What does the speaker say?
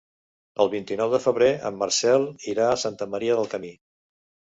El vint-i-nou de febrer en Marcel irà a Santa Maria del Camí.